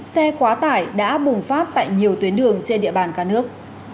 xe quá tải đã bùng phát tại nhiều tuyến đường trên địa bàn cả nước